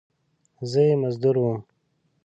زه یې مزدور وم !